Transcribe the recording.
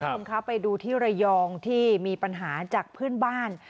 คุณผู้ชมคะไปดูที่ระยองที่มีปัญหาจากเพื่อนบ้าน